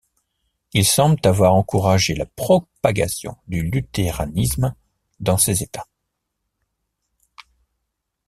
Il semble avoir encouragé la propagation du luthéranisme dans ses États.